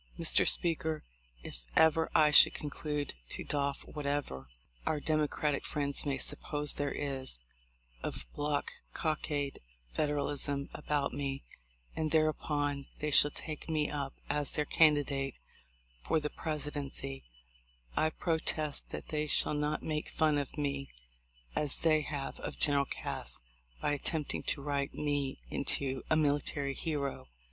Mr. Speaker, if ever I should conclude to doff whatever our Democratic friends may suppose there is of black cockade Federalism about me, and, thereupon they shall take me up as their candidate for the Presidency, I protest that they shall not make fun of me as they have of General Cass by attempting to write me into a military hero."